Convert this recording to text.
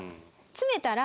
詰めたら？